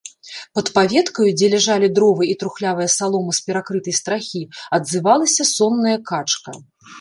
Пад паветкаю, дзе ляжалі дровы і трухлявая салома з перакрытай страхі, адзывалася сонная качка.